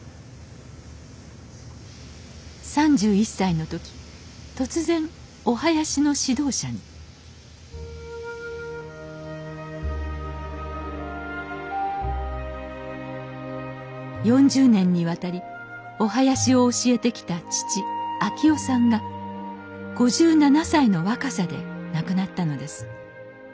３１歳の時突然お囃子の指導者に４０年にわたりお囃子を教えてきた父昭男さんが５７歳の若さで亡くなったのです。